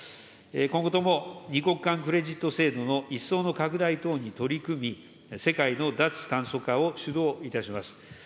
今後とも２国間クレジット制度の一層の拡大等に取り組み、世界の脱炭素化を主導いたします。